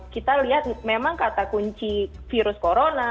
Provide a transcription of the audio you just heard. kita lihat memang kata kunci virus corona